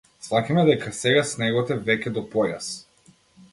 Сфаќаме дека сега снегот е веќе до појас.